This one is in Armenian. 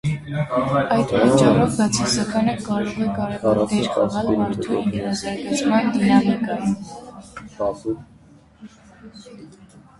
Այդ պատճառով բացասականը կարող է կարևոր դեր խաղալ մարդու ինքնազարգացման դինամիկայում։